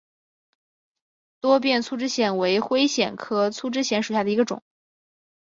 多变粗枝藓为灰藓科粗枝藓属下的一个种。